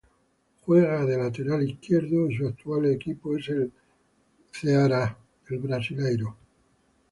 Juega de lateral izquierdo y su actual equipo es el Ceará del Brasileirão.